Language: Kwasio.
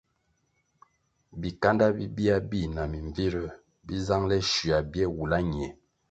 Bikándá bibia bi na mimbviruer bi zangele schuia bie wula ñie.